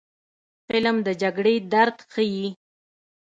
فلم د جګړې درد ښيي